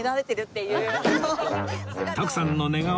徳さんの寝顔